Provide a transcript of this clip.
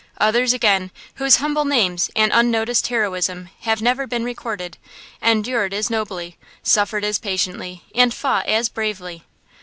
Others again, whose humble names and unnoticed heroism have never been recorded, endured as nobly, suffered as patiently, and fought as bravely.